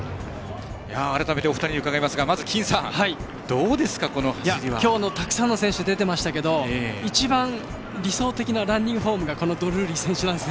改めて伺いますが今日もたくさんの選手が出ていましたけども理想的なランニングフォームがこのドルーリー選手です。